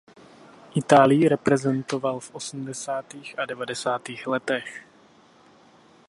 Itálii reprezentoval v osmdesátých a devadesátých letech.